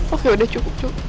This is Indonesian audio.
oke udah cukup